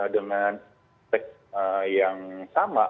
dengan spek yang sama